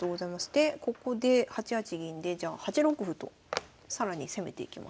でここで８八銀でじゃあ８六歩と更に攻めていきます。